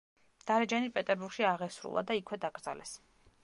დარეჯანი პეტერბურგში აღესრულა და იქვე დაკრძალეს.